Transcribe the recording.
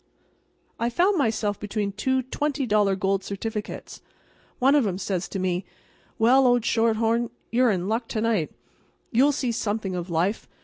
I found myself between two $20 gold certificates. One of 'em says to me: "Well, old shorthorn, you're in luck to night. You'll see something of life.